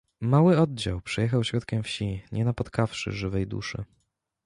Mały oddział przejechał środkiem wsi, nie napotkawszy żywej duszy.